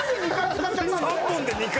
３問で２回。